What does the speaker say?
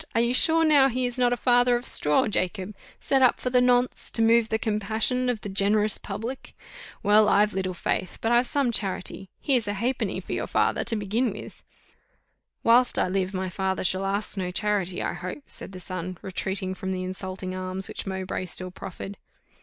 Are you sure now he is not a father of straw, Jacob, set up for the nonce, to move the compassion of the generous public? Well, I've little faith, but I've some charity here's a halfpenny for your father, to begin with." "Whilst I live, my father shall ask no charity, I hope," said the son, retreating from the insulting alms which Mowbray still proffered.